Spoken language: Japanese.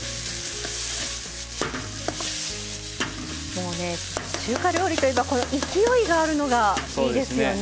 もうね中華料理といえばこの勢いがあるのがいいですよね。